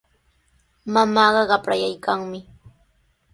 Mamaaqa qaprayaykanmi.